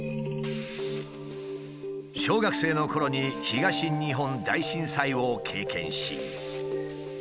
小学生のころに東日本大震災を経験し。